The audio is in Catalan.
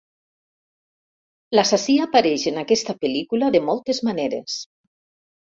L'assassí apareix en aquesta pel·lícula de moltes maneres.